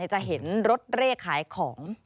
จะเห็นรถเลขขายของ